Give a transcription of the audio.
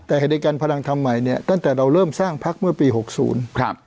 แต่เหตุการณ์พลังทำใหม่เนี่ยตั้งแต่เราเริ่มสร้างพักเมื่อปีหกศูนย์ครับ